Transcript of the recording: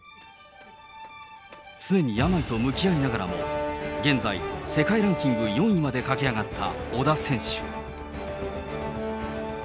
常に病と向き合いながらも、現在、世界ランキング４位まで駆け上がった小田選手。